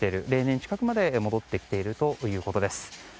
例年近くまで戻ってきているということです。